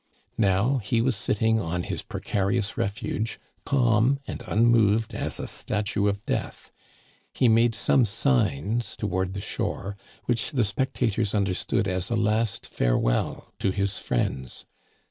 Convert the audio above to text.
Now he was sitting on his pre carious refuge calm and unmoved as a statue of death. He made some signs toward the shore, which the specta tors understood as a last farewell to his friends.